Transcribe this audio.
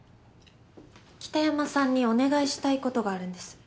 北山さんにお願いしたいことがあるんです。